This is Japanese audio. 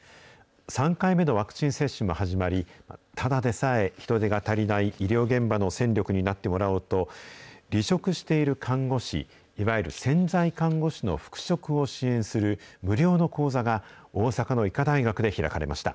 ３回目のワクチン接種も始まり、ただでさえ人手が足りない医療現場の戦力になってもらおうと、離職している看護師、いわゆる潜在看護師の復職を支援する無料の講座が、大阪の医科大学で開かれました。